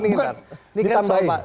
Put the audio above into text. ini kan soal pak